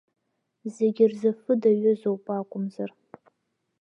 Зегьы рзы афы даҩызоуп, акәымзар.